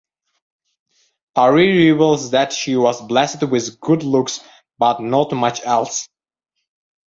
Pari reveals that she was blessed with good looks but not much else.